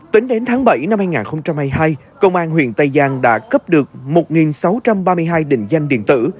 tính đến tháng bảy năm hai nghìn hai mươi hai công an huyện tây giang đã cấp được một sáu trăm ba mươi hai định danh điện tử